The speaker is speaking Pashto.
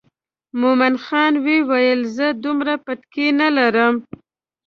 مومن خان وویل زه دومره بتکۍ نه لرم.